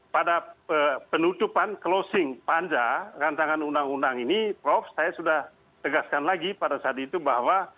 pada penutupan closing panjang rancangan undang undang ini prof saya sudah tegaskan lagi pada saat itu bahwa